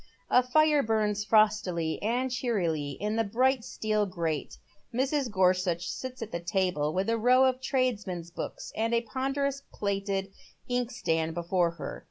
A fire burns fi'ostily and cheerily in the bright steel grate. Mi s. Gorsuch sits at a table, with a row of tradesmen's books and a ponderous plated inkstand before her.